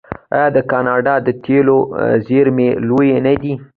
آیا د کاناډا د تیلو زیرمې لویې نه دي؟